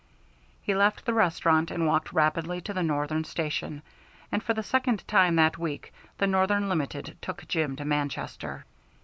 He left the restaurant and walked rapidly to the Northern Station, and for the second time that week the Northern Limited took Jim to Manchester.